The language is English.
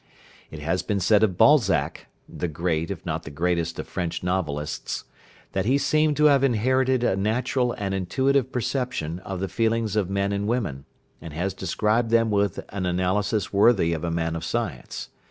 It has been said of Balzac [the great, if not the greatest of French novelists] that he seemed to have inherited a natural and intuitive perception of the feelings of men and women, and has described them with an analysis worthy of a man of science.